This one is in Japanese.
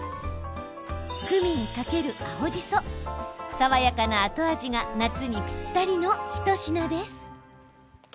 クミン×青じそ爽やかな後味が夏にぴったりの一品です。